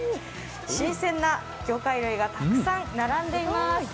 新鮮な魚介類がたくさん並んでいます。